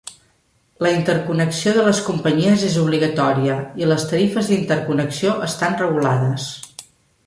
La interconnexió de les companyies és obligatòria i les tarifes d'interconnexió estan regulades.